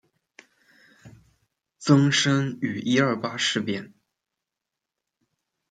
曾参与一二八事变。